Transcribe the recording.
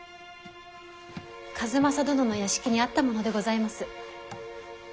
数正殿の屋敷にあったものでございます。